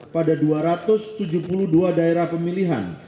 pada dua ratus tujuh puluh dua daerah pemilihan